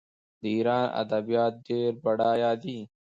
د ایران ادبیات ډیر بډایه دي.